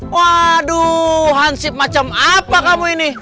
waduh hansip macam apa kamu ini